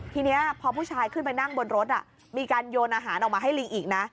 ทีนี้พอผู้ชายขึ้นไปนั่งบนรถมีการโยนอาหารออกมาให้ลิงอีกนะ